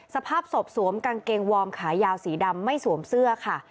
สภาพศพสวมกางเกงวอร์มขายาวสีดำไม่สวมเสื้อค่ะ